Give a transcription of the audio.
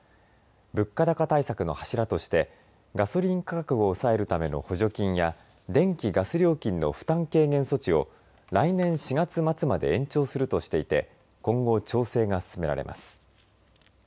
物価高対策の柱としてガソリン価格を抑えるための補助金や電気、ガス料金の負担軽減措置を来年４月末まで延長するとしていて今後、調整が進められます。